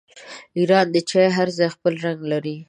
د ایران چای هر ځای خپل رنګ لري.